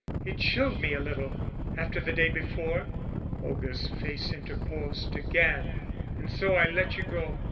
It chilled me a little after the day before. Olga's face interposed again. And so I let you go.